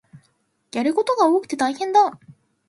やることが多くて大変だ